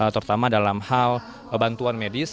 terutama dalam hal bantuan medis